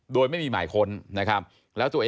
โดยไม่มีหมายค้นนะครับ